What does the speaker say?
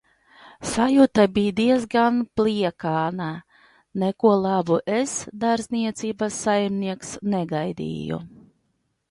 "Sajūta bij diezgan pliekana, neko labu es "dārzniecības saimnieks" negaidīju."